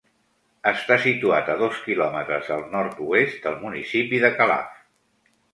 Està situat a dos quilòmetres al nord-oest del municipi de Calaf.